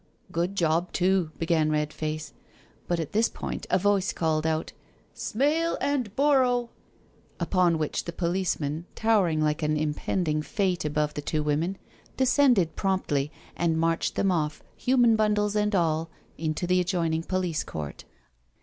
.•."" Good job too— ^" began Red face; but at this point a voice called out " Smale and Borrow I" upon which the policeman, towering like an impending fate above the two women, descended promptly and inarched them oflF, human Bundles and adl, into the adjoining police court.